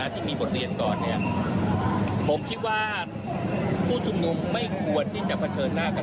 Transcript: ที่มีบทเรียนก่อนเนี่ยผมคิดว่าผู้ชุมนุมไม่ควรที่จะเผชิญหน้ากัน